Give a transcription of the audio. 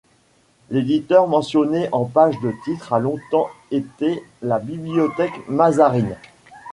L'éditeur mentionné en page de titre a longtemps été la Bibliothèque Mazarine.